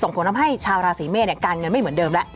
ผลทำให้ชาวราศีเมษการเงินไม่เหมือนเดิมแล้ว